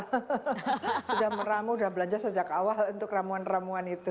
sudah meramu sudah belanja sejak awal untuk ramuan ramuan itu